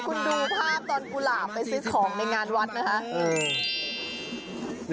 คุณดูภาพตอนกุหลาบไปซื้อของในงานวัดไหมคะ